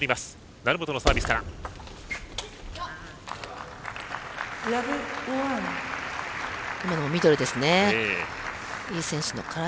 成本のサービスから。